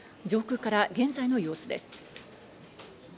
上空から現在の様子です。